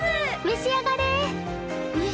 めし上がれ。